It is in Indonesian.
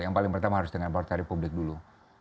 yang paling pertama harus dengan partai republik dulu